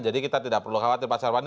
jadi kita tidak perlu khawatir pak sarwani